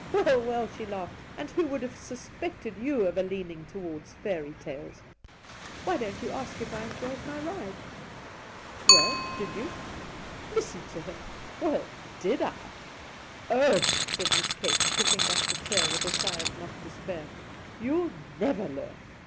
* Well, well,' she laughed, ' who would have suspected you of a leaning towards fairy tales ? Why don't you ask if I enjoyed my ride ?'' Well, did you ?'' Listen to him ! Well, did I ? Oh,' said Miss Kate, pushing back her chair with a sigh of mock despair, * you'll never learn